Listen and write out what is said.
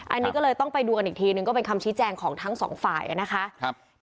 อันนี้ก็เลยต้องไปดูกันอีกทีนึงก็เป็นคำชี้แจงของทั้งสองฝ่ายนะคะ